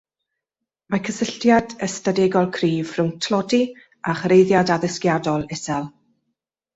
Mae cysylltiad ystadegol cryf rhwng tlodi a chyrhaeddiad addysgol isel